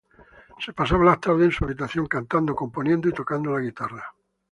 Se pasaba las tardes en su habitación cantando, componiendo y tocando la guitarra.